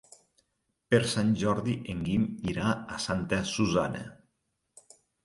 Per Sant Jordi en Guim irà a Santa Susanna.